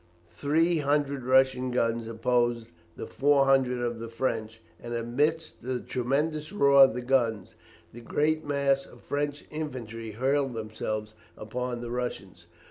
Three hundred Russian guns opposed the four hundred of the French, and amidst the tremendous roar of the guns, the great mass of French infantry hurled themselves upon the Russians.